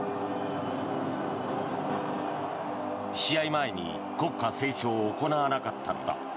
試合前に国歌斉唱を行わなかったのだ。